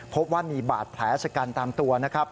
พบว่ามีบาดแผลชะกันตามตัวนะครับ